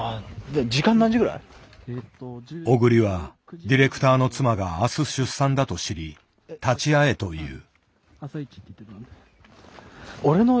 小栗はディレクターの妻が明日出産だと知り立ち会えと言う。